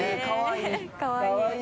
かわいい。